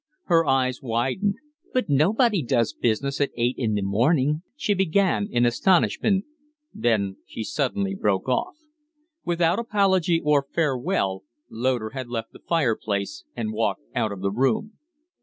Her eyes widened. "But nobody does business at eight in the morning " she began, in astonishment; then she suddenly broke off. Without apology or farewell, Loder had left the fireplace and walked out of the room.